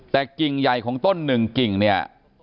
แต่กิ่งใหญ่ของต้นหนึ่งกิ่งเนี่ย